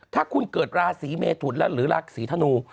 ถ้าคุณเกิดลาสีเมถุนหรือลาสีธนู